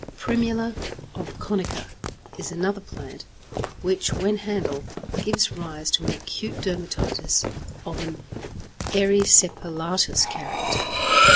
=Primula obconica= is another plant which, when handled, gives rise to an acute dermatitis of an erysipelatous character.